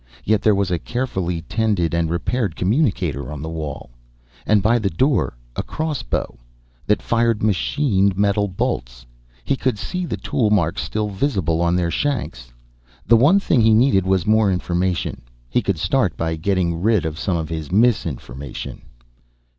Yet there was a carefully tended and repaired communicator on the wall. And by the door a crossbow that fired machined metal bolts, he could see the tool marks still visible on their shanks. The one thing he needed was more information. He could start by getting rid of some of his misinformation.